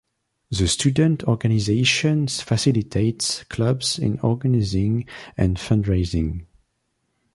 The Student Organization facilitates clubs in organizing and fundraising.